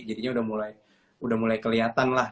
jadinya udah mulai kelihatan lah